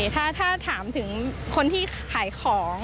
ถ้าถามถึงคนที่ขายของ